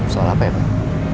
soal apa ya pak